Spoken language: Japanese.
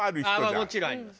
もちろんあります。